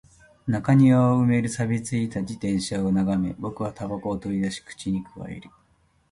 中庭を埋める錆び付いた自転車を眺め、僕は煙草を取り出し、口に咥える